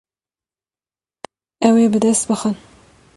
Ew ê bi dest bixin.